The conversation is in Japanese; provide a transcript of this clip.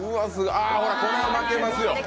これは負けますよ。